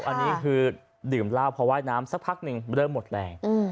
อันนี้คือดื่มเหล้าพอว่ายน้ำสักพักหนึ่งเริ่มหมดแรง